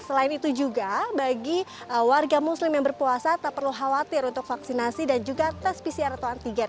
selain itu juga bagi warga muslim yang berpuasa tak perlu khawatir untuk vaksinasi dan juga tes pcr atau antigen